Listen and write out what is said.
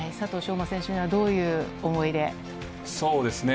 馬選手にはどういう思いで？